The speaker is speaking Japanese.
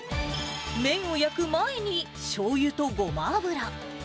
麺を焼く前に、しょうゆとごま油。